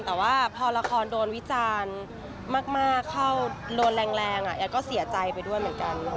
แต่ว่าพอละครโดนวิจารณ์มากเข้าโดนแรงก็เสียใจไปด้วยเหมือนกัน